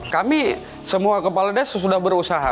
kami semua kepala desa sudah berusaha